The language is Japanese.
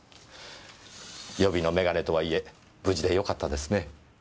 予備の眼鏡とはいえ無事でよかったですね。